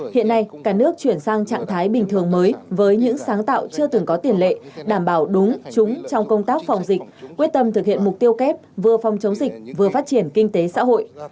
hiện nay cả nước chuyển sang trạng thái bình thường mới với những sáng tạo chưa từng có tiền lệ đảm bảo đúng trúng trong công tác phòng dịch quyết tâm thực hiện mục tiêu kép vừa phòng chống dịch vừa phát triển kinh tế xã hội